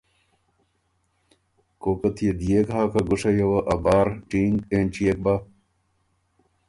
کوکت يې ديېک هۀ که ګُشئ یه وه ا بار ټینګ اېنچيېک بۀ؟